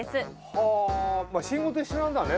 はぁ信号と一緒なんだね